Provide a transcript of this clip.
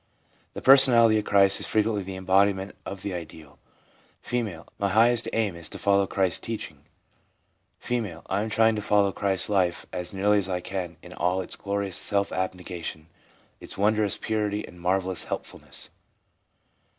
The per sonality of Christ is frequently the embodiment of the ideal. F. ' My highest aim is to follow Christ's teach ing/ F. * I am trying to follow Christ's life as nearly as I can in all its glorious self abnegation, its wondrous purity, and marvellous helpfulness.'